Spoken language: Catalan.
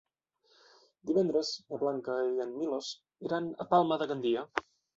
Divendres na Blanca i en Milos iran a Palma de Gandia.